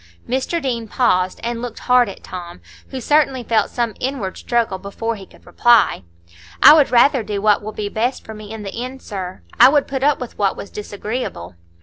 Mr Deane paused and looked hard at Tom, who certainly felt some inward struggle before he could reply. "I would rather do what will be best for me in the end, sir; I would put up with what was disagreeable."